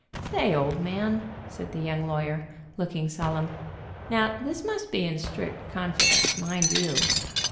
"Say, old man," said the young lawyer, looking sol emn, "now this must be in strict confidence, mind you.